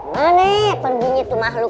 mana perginya tuh makhluk